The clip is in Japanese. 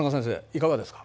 いかがですか。